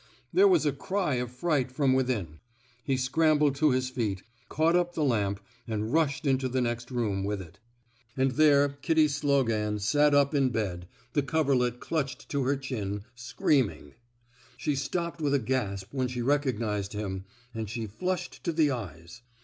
There was a cry of fright from within. He scrambled to his feet, caught up the lamp, and rushed into the next room with it. And 105 f THE SMOKE EATEES there Kitty '' Slogan sat up in bed, the coverlet clutched to her chin, screaming. She stopped with a gasp when she recog nized him, and she flushed to the eyes.